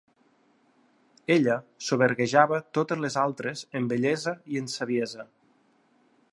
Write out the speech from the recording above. Ella soberguejava totes les altres en bellesa i en saviesa.